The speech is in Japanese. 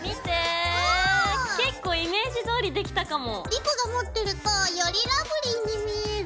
莉子が持ってるとよりラブリーに見える。